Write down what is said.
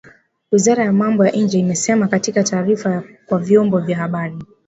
Wizara ya Mambo ya Nje imesema katika taarifa kwa vyombo vya habari